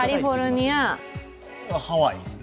ハワイ。